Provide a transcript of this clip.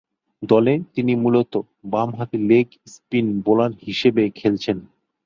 দলে তিনি মূলতঃ বামহাতি লেগ স্পিন বোলার হিসেবে খেলছেন।